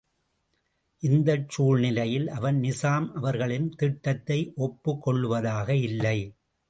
இந்தச் சூழ்நிலையில் அவன் நிசாம் அவர்களின் திட்டத்தை ஒப்புக் கொள்ளுவதாக இல்லை.